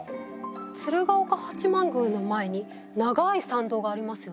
鶴岡八幡宮の前に長い参道がありますよね。